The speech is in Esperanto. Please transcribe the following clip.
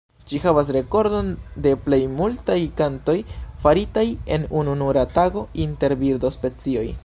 Ĝi havas rekordon de plej multaj kantoj faritaj en ununura tago inter birdospecioj.